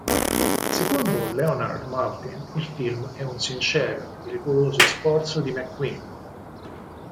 Secondo Leonard Maltin il film è un "sincero e meticoloso sforzo di McQueen".